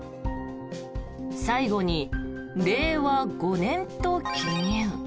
最後に冷和５年と記入。